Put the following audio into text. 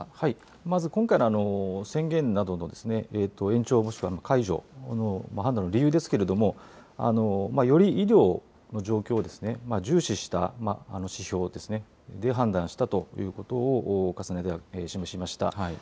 まず今回の宣言などの延長もしくは解除の判断の理由ですけれども、より医療の状況を重視した指標ですね、判断したということを重ねて示しました。